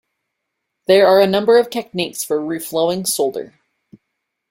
There are a number of techniques for reflowing solder.